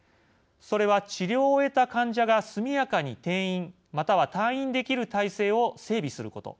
それは治療を終えた患者が速やかに転院または退院できる体制を整備すること。